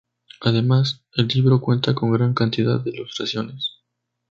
Además, el libro cuenta con gran cantidad de ilustraciones.